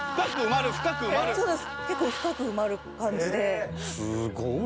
そうです結構深く埋まる感じですごい！